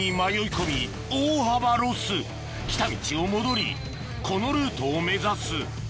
来た道を戻りこのルートを目指す